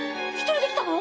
１人で来たの？